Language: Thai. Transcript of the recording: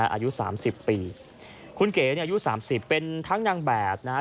อายุสามสิบปีคุณเก๋เนี่ยอายุ๓๐เป็นทั้งนางแบบนะฮะ